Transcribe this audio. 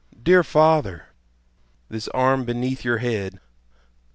dear father! The arm beneath your head!